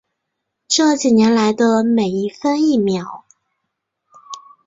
这几年来的每一分一秒